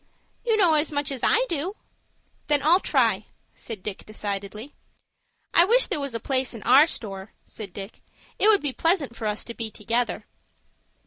"You know as much as I do." "Then I'll try," said Dick, decidedly. "I wish there was a place in our store," said Fosdick. "It would be pleasant for us to be together."